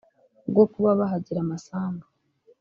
ubwo kuba bahagira amasambu